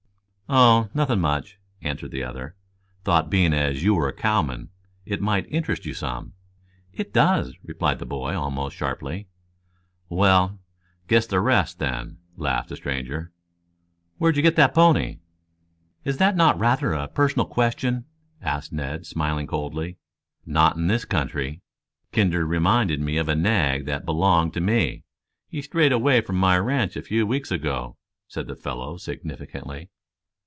"Oh, nothing much," answered the other. "Thought being as you were a cowman it might interest you some." "It does," replied the boy almost sharply. "Well, guess the rest, then," laughed the stranger. "Where'd you get that pony?" "Is that not rather a personal question?" asked Ned, smiling coldly. "Not in this country. Kinder reminded me of a nag that belonged to me. He strayed away from my ranch a few weeks ago," said the fellow significantly.